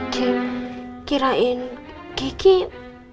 kirain geki mbak andi udah tau siapa dia